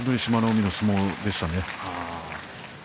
海の相撲でしたね。